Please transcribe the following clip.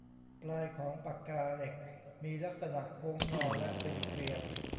ปลายของปากกาเหล็กมีลักษณะโค้งงอและเป็นเกลียว